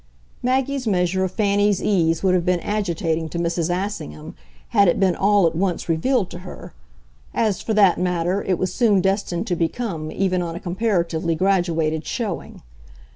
Maggie's measure of Fanny's ease would have been agitating to Mrs. Assingham had it been all at once revealed to her as, for that matter, it was soon destined to become even on a comparatively graduated showing.